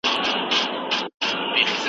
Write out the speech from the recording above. تاریخ په یوه ځانګړې ایډیالوژۍ کي محدود پاتې سو.